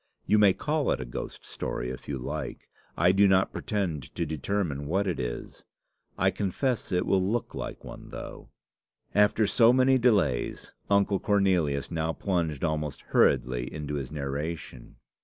You may call it a ghost story if you like; I do not pretend to determine what it is. I confess it will look like one, though." After so many delays, Uncle Cornelius now plunged almost hurriedly into his narration.